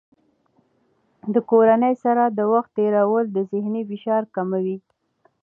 د کورنۍ سره د وخت تېرول د ذهني فشار کموي.